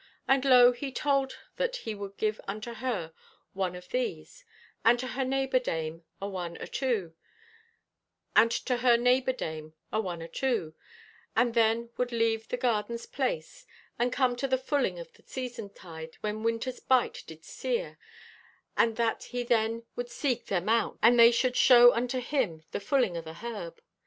And lo, he told that he would give unto her one of these, and to her neighbor dame a one, atoo (also), and to her neighbor dame a one atoo, and he then would leave the garden's place and come at the fulling o' the season tide when winter's bite did sear, and that he then would seek them out, and they should shew unto him the fulling o' the herb.